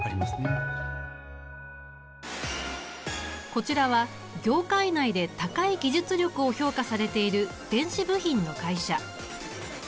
こちらは業界内で高い技術力を評価されている電子部品の会社。